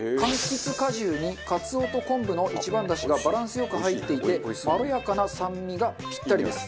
柑橘果汁にカツオと昆布の一番ダシがバランスよく入っていてまろやかな酸味がぴったりです。